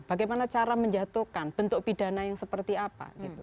bagaimana cara menjatuhkan bentuk pidana yang seperti apa